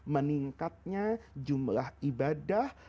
meningkatnya jumlah ibadah